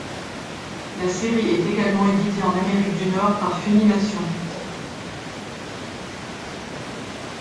La série est également éditée en Amérique du Nord par Funimation.